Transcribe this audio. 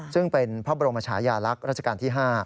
ซึ่งเป็นพระบรมชายาลักษณ์ราชการที่๕